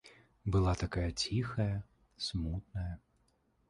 Была такая ціхая, смутная.